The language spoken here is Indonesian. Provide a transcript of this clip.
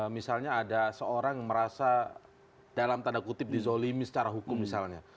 misalnya ada seorang yang merasa dalam tanda kutip dizolimi secara hukum misalnya